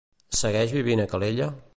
Segueix vivint a Calella?